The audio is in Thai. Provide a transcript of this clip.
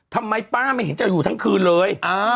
ทำไมป้าไม่เห็นจะอยู่ทั้งคืนเลย